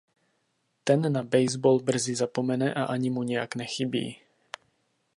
Ten na baseball brzy zapomene a ani mu nějak nechybí.